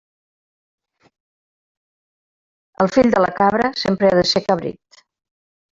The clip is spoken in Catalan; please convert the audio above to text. El fill de la cabra sempre ha de ser cabrit.